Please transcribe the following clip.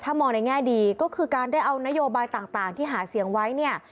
มองในแง่ดีก็คือการได้เอานโยบายต่างที่หาเสียงไว้เนี่ย